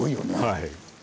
はい。